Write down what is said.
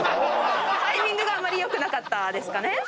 タイミングが良くなかったですかね。